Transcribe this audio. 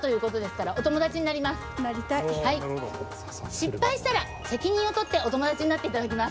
失敗したら責任を取ってお友達になっていただきます。